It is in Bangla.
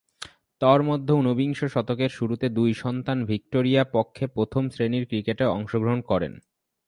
তন্মধ্যে ঊনবিংশ শতকের শুরুতে দুই সন্তান ভিক্টোরিয়ার পক্ষে প্রথম-শ্রেণীর ক্রিকেটে অংশগ্রহণ করেন।